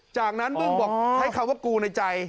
จากนั้นบึ้งบอกใช้คำว่ากูในใจ